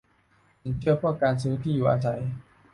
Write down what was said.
สินเชื่อเพื่อการซื้อที่อยู่อาศัย